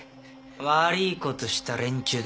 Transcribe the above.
悪ぃことした連中だ